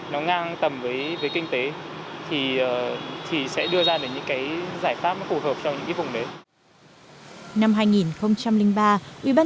nó ngang tầm với kinh tế thì sẽ đưa ra được những cái giải pháp phù hợp cho những cái vùng đấy